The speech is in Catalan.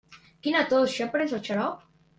Quina tos, ja et prens el xarop?